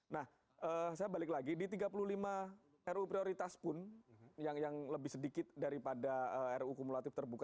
nah saya balik lagi di tiga puluh lima ruu prioritas pun yang lebih sedikit daripada ruu kumulatif terbuka